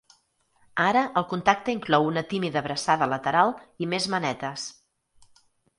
Ara el contacte inclou una tímida abraçada lateral i més manetes.